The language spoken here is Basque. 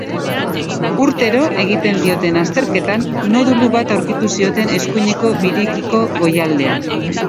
Urtero egiten dioten azterketan nodulu bat aurkitu zioten eskuineko birikiko goialdean.